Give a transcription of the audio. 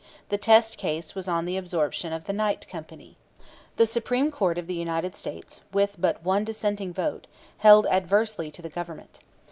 The test case was on the absorption of the Knight Company. The Supreme Court of the United States, with but one dissenting vote, held adversely to the Government.